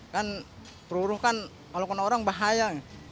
kan peluruh kan kalau kena orang bahaya